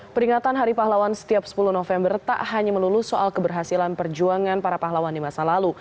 peringatan hari pahlawan setiap sepuluh november tak hanya melulu soal keberhasilan perjuangan para pahlawan di masa lalu